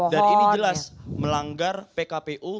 dan ini jelas melanggar pkpu